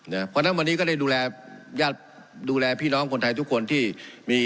เพราะฉะนั้นวันนี้ก็ได้ดูแลญาติดูแลพี่น้องคนไทยทุกคนที่มี